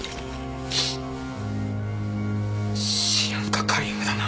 シアン化カリウムだな？